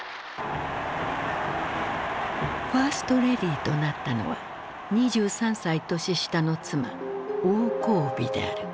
ファーストレディーとなったのは２３歳年下の妻王光美である。